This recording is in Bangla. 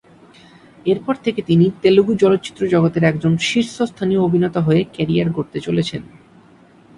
এরপর থেকে তিনি তেলুগু চলচ্চিত্র জগতের একজন শীর্ষস্থানীয় অভিনেতা হয়ে ক্যারিয়ার গড়তে চলেছেন।